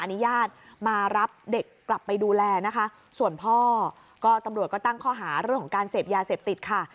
อนุญาตมารับเด็กกลับไปดูแลนะคะส่วนพ่อก็ตำรวจก็ตั้งข้อหาเรื่องของการเสพยาเสพติดค่ะ